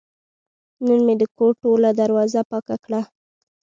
نن مې د کور ټوله دروازه پاکه کړه.